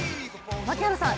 槙原さん